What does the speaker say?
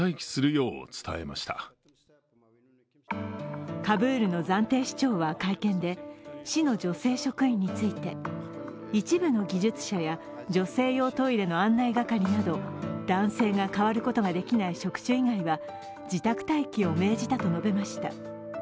更にカブールの暫定市長は会見で市の女性職員について一部の技術者や女性用トイレの案内係など、男性が代わることができない職種以外は自宅待機を命じたと述べました。